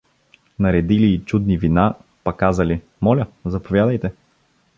Наредили и чудни вина, па казали: — Моля, заповядайте!